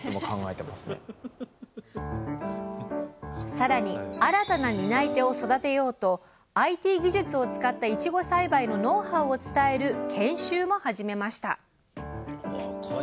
更に新たな担い手を育てようとＩＴ技術を使ったいちご栽培のノウハウを伝える研修も始めました